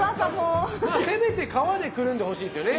まあせめて皮でくるんでほしいですよね。